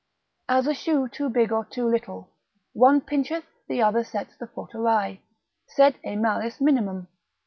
As a shoe too big or too little, one pincheth, the other sets the foot awry, sed e malis minimum.